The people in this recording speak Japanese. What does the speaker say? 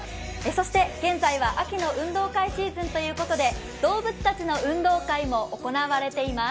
現在は秋の運動会シーズンということで、動物たちの運動会も行われています。